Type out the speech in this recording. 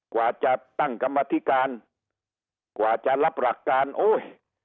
กว่าจะตั้งกรรมธิการกว่าจะรับหลักการโอ้ย